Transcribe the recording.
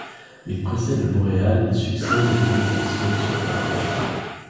Il précède le boréal et succède au Pléistocène supérieur.